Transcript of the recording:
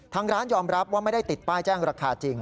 ทางร้านยอมรับว่าไม่ได้ติดป้ายแจ้งราคาจริง